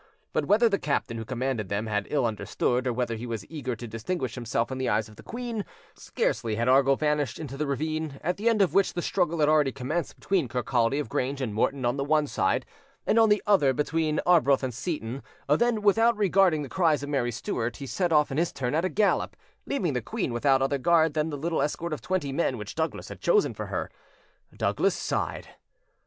But whether the captain who commanded them had ill understood, or whether he was eager to distinguish himself in the eyes of the queen, scarcely had Argyll vanished into the ravine, at the end of which the struggle had already commenced between Kirkcaldy of Grange and Morton on the one side, and on the other between Arbroath and Seyton, than, without regarding the cries of Mary Stuart, he set off in his turn at a gallop, leaving the queen without other guard than the little escort of twenty men which Douglas had chosen for her. Douglas sighed.